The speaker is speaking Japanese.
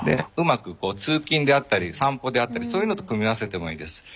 うまく通勤であったり散歩であったりそういうのと組み合わせてもいいです。